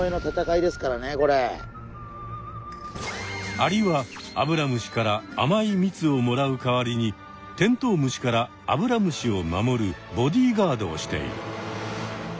アリはアブラムシからあまいみつをもらうかわりにテントウムシからアブラムシを守るボディーガードをしている。